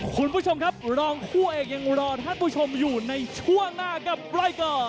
คุณผู้ชมครับรองคู่เอกยังรอท่านผู้ชมอยู่ในช่วงหน้ากับรายการ